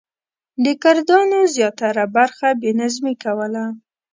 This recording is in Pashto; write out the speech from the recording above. د کردانو زیاتره برخه بې نظمي کوله.